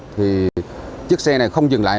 thì chiếc xe này không dừng lại